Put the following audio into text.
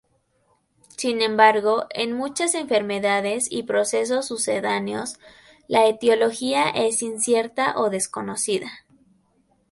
Sin embargo, en muchas enfermedades y procesos sucedáneos, la etiología es incierta o desconocida.